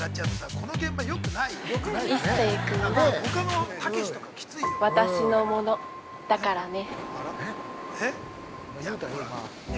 一世君は私のものだからね。